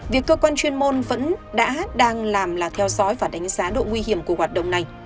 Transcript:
việc cơ quan chuyên môn vẫn đã đang làm là theo dõi và đánh giá độ nguy hiểm của hoạt động này